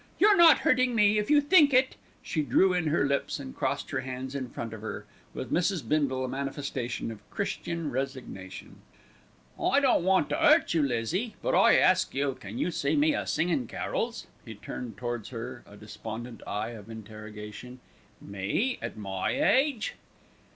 "You're not hurting me, if you think it." She drew in her lips and crossed her hands in front of her, with Mrs. Bindle a manifestation of Christian resignation. "I don't want to 'urt you, Lizzie; but I ask you, can you see me a singin' carols?" He turned towards her a despondent eye of interrogation. "Me, at my age?"